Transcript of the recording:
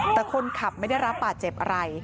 แต่คนขับไม่ได้รับบาดเจ็บอะไร